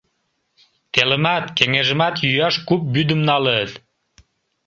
Телымат, кеҥежымат йӱаш куп вӱдым налыт.